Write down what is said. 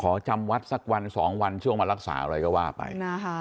จำวัดสักวัน๒วันช่วงมารักษาอะไรก็ว่าไป